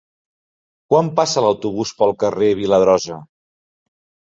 Quan passa l'autobús pel carrer Viladrosa?